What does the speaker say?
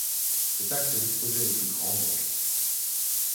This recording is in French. Cet acte l'exposait aux plus grands dangers.